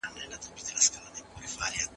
د ایران شاه د نجومیانو په خبرو باور کاوه.